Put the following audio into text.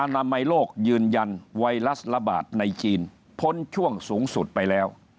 นามัยโลกยืนยันไวรัสระบาดในจีนพ้นช่วงสูงสุดไปแล้ว